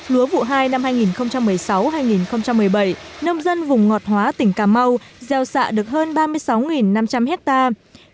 lúa vụ hai năm hai nghìn một mươi sáu hai nghìn một mươi bảy nông dân vùng ngọt hóa tỉnh cà mau gieo xạ được hơn ba mươi sáu năm trăm linh hectare